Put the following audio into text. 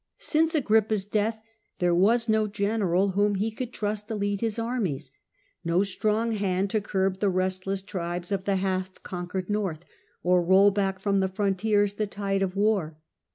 Since Agrippa's death there was no general whom he could trust to lead his armies, no strong hand to curb the restless tribes of the half conquered North, or roll back from the frontiers the tide of war.